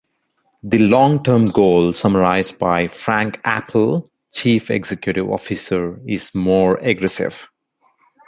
The long-term goal, summarized by Frank Appel, Chief Executive Officer, is more aggressive.